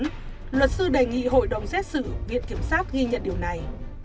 trong đó luật sư đề nghị hội đồng xét xử viện kiểm sát ghi nhận điều này